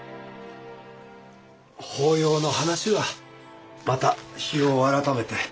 法要の話はまた日を改めて。